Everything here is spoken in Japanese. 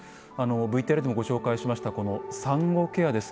ＶＴＲでもご紹介しましたこの産後ケアです。